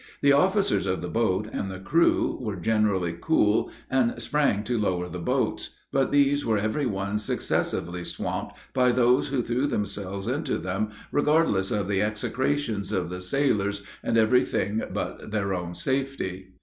The officers of the boat, and the crew, were generally cool, and sprang to lower the boats, but these were every one successively swamped by those who threw themselves into them, regardless of the execrations of the sailors, and of every thing but their own safety.